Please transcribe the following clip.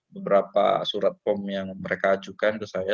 beberapa surat pom yang mereka ajukan ke saya